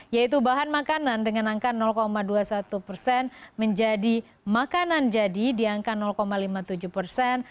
yaitu bahan makanan dengan angka dua puluh satu persen menjadi makanan jadi di angka lima puluh tujuh persen